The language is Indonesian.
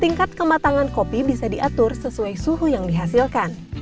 tingkat kematangan kopi bisa diatur sesuai suhu yang dihasilkan